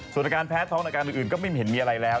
ส่วนอาการแพ้ท้องอาการอื่นก็ไม่เห็นมีอะไรแล้ว